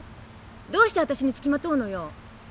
どうしてあたしに付きまとうのよ！？